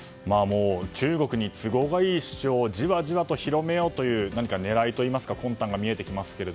中国に都合がいい主張をじわじわ広めようという何か狙いというか魂胆が見えてきますが。